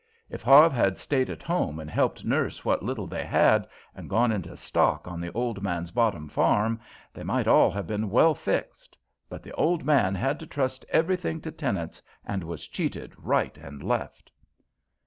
If Harve had stayed at home and helped nurse what little they had, and gone into stock on the old man's bottom farm, they might all have been well fixed. But the old man had to trust everything to tenants and was cheated right and left."